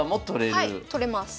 はい取れます。